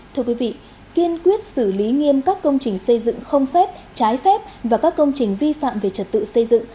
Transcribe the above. thưa quý vị kiên quyết xử lý nghiêm các công trình xây dựng không phép trái phép và các công trình vi phạm về trật tự xây dựng